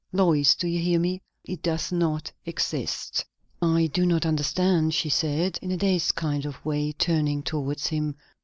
Lois, do you hear me? It does not exist." "I do not understand," she said, in a dazed kind of way, turning towards him.